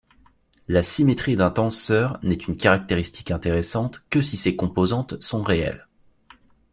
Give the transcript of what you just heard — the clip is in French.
La symétrie d'un tenseur n'est une caractéristique intéressante que si ses composantes sont réelles.